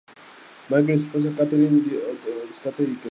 Michael y su esposa Kathleen tienen dos hijas, Kate y Kelly.